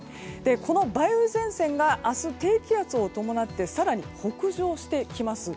この梅雨前線が明日、低気圧を伴って北上してきます。